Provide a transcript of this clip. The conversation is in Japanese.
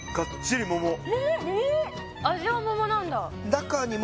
味は桃なんだ